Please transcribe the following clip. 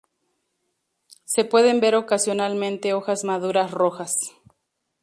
Se pueden ver ocasionalmente hojas maduras rojas.